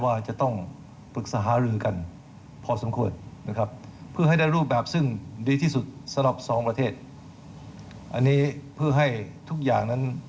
อันเนี้ยเพื่อให้ทุกอย่างนั้น